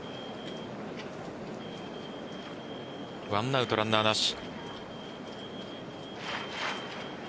１アウトランナーなし。